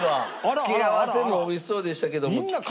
付け合わせも美味しそうでしたけども完食。